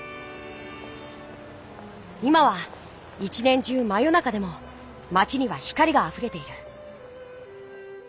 今は一年じゅうま夜中でも町には光があふれている。